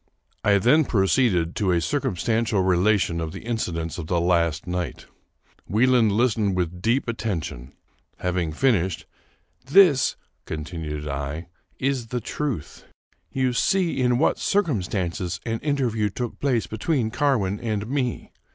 I then proceeded to a circumstantial relation of the inci dents of the last night. Wieland listened with deep atten tion. Having finished, " This," continued I, " is the truth. You see in what circumstances an interview took place between Carwin and me.